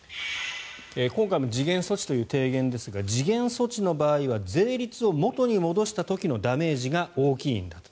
今回も時限措置という提言ですが時限措置の場合は税率を元に戻した時のダメージが大きいんだと。